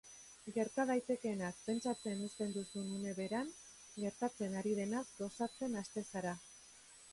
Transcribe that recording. Gerta daitekenaz pentsatzen uzten duzun une beran, gertatzen ari denaz gozatzen hasten zara.